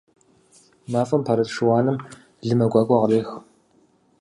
МафӀэм пэрыт шыуаным лымэ гуакӀуэ кърех.